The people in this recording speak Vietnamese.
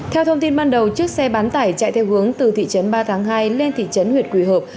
theo thông tin ban đầu chiếc xe bán tải chạy theo hướng từ thị trấn ba tháng hai lên thị trấn huyện quỳ hợp